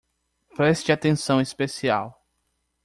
Preste atenção especial